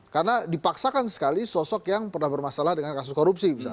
karena dipaksakan sekali sosok yang pernah bermasalah dengan kasus korupsi misalnya